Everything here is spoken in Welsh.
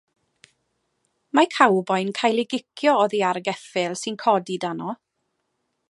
Mae cowboi'n cael ei gicio oddi ar geffyl sy'n codi dano.